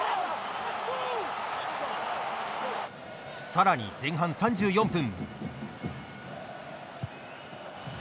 さらに、前半３４分。